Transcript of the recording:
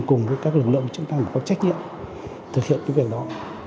cùng với các lực lượng chúng ta có trách nhiệm thực hiện việc đó